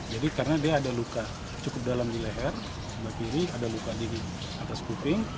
jadi karena dia ada luka cukup dalam di leher di kiri ada luka di atas kuping